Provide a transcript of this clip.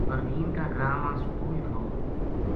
پروین کا گراں ما سکول تھو